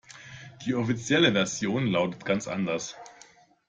Die offizielle Version lautet ganz anders.